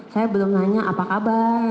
saya belum nanya apa kabar